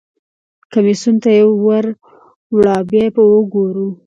کمیسیون ته یې ور وړه بیا به وګورو.